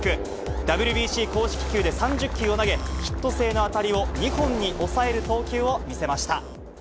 ＷＢＣ公式球で３０球を投げ、ヒット性の当たりを２本に抑える投球を見せました。